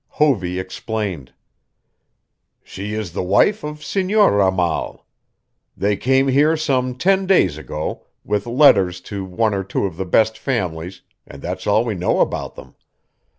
Hovey explained. "She is the wife of Senor Ramal. They came here some ten days ago, with letters to one or two of the best families, and that's all we know about them.